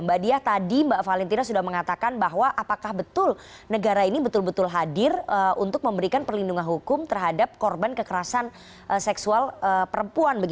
mbak diah tadi mbak valentina sudah mengatakan bahwa apakah betul negara ini betul betul hadir untuk memberikan perlindungan hukum terhadap korban kekerasan seksual perempuan